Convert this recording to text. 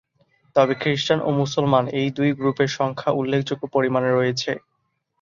তবে খ্রিস্টান ও মুসলমান এই দুই গ্রুপের সংখ্যা উল্লেখযোগ্য পরিমানে রয়েছে।